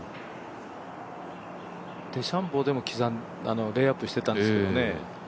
デシャンボーでもレイアップしてたんですけどね。